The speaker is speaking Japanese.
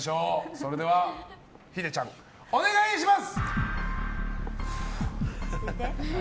それでは、ひでちゃんお願いします！